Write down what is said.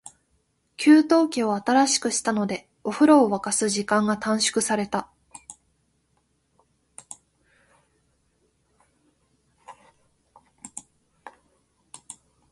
給湯器を新しくしたので、お風呂を沸かす時間が短縮された。